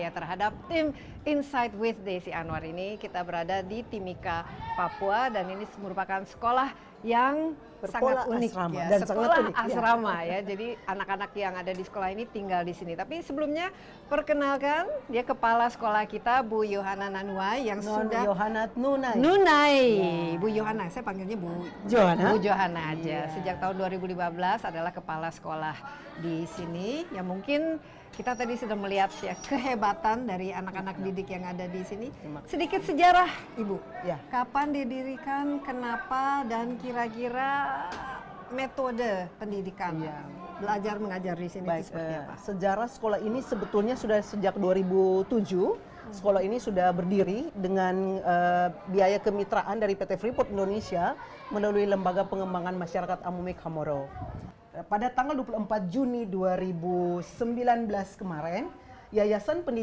terima kasih telah menghadirkan anda semua di sini